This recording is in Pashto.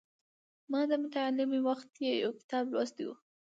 ما د متعلمۍ په وخت کې یو کتاب لوستی و.